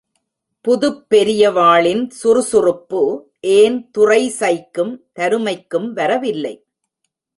புதுப் பெரிய வாளின் சுறுசுறுப்பு ஏன் துறை சைக்கும், தருமைக்கும் வரவில்லை?